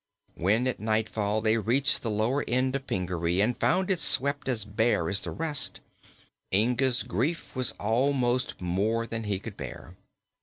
When, at nightfall, they reached the lower end of Pingaree and found it swept as bare as the rest, Inga's grief was almost more than he could bear.